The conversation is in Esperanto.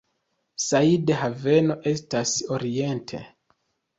Said Haveno estas oriente.